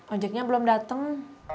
ojeknya belum dateng